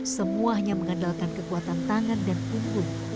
semuanya mengandalkan kekuatan tangan dan punggung